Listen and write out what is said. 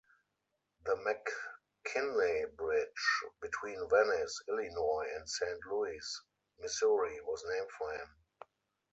The McKinley Bridge between Venice, Illinois and Saint Louis, Missouri was named for him.